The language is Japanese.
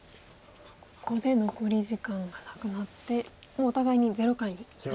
ここで残り時間がなくなってもうお互いに０回になりました。